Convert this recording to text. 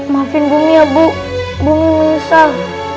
maafin bumi ya bu bumi menyesal